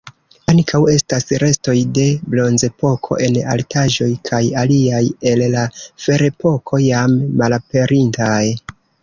Ankaŭ estas restoj de Bronzepoko en altaĵoj kaj aliaj el la Ferepoko jam malaperintaj.